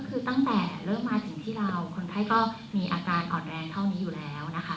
คือตั้งแต่เริ่มมาถึงที่เราคนไข้ก็มีอาการอ่อนแรงเท่านี้อยู่แล้วนะคะ